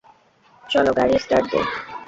চল, গাড়ি স্টার্ট দে।